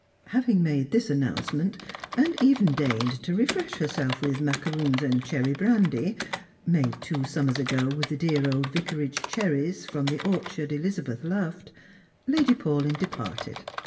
Having made tliis announcement, and even deigned to re fresh herself with macaroons and cherry brandy (made two summers ago with the dear old Vicarage cherries from the orchard Eh/i' eth loved), Lady Paulyn departed.